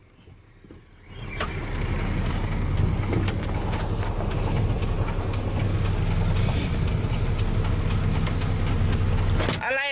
เป็นอะไร